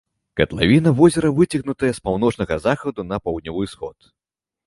Катлавіна возера выцягнутая з паўночнага захаду на паўднёвы ўсход.